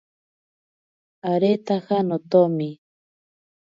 Aretaja notomi.